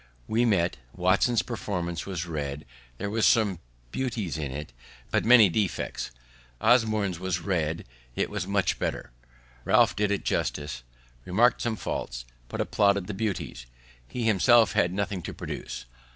We met; Watson's performance was read; there were some beauties in it, but many defects. Osborne's was read; it was much better; Ralph did it justice; remarked some faults, but applauded the beauties. He himself had nothing to produce.